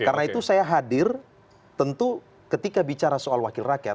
karena itu saya hadir tentu ketika bicara soal wakil rakyat